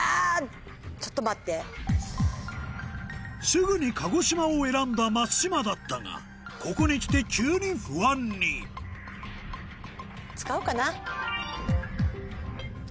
すぐに鹿児島を選んだ松嶋だったがここに来て急に不安に使おうかな。